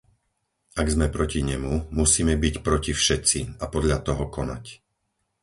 Ak sme proti nemu, musíme byť proti všetci a podľa toho konať.